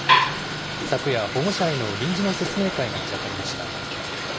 昨夜、保護者への臨時の説明会が開かれました。